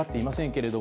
けれど